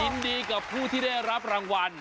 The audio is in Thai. ยินดีกับผู้ที่ได้รับรางวัล